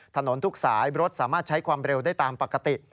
ถนนทุกสายรถสามารถใช้ความเร็วได้ตามปกติ